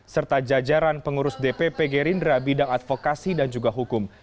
serta jajaran pengurus dpp gerindra bidang advokasi dan juga hukum